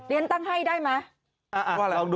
ฉันตั้งให้ได้ไหม